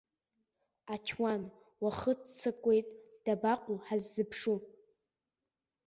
Ачуан уахыццакуеит, дабаҟоу ҳаззыԥшу?